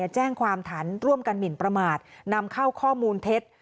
แจ้งความฐานร่วมกันหมินประมาทนำเข้าข้อมูลเท็จ